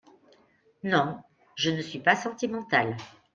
Non, je ne suis pas sentimental.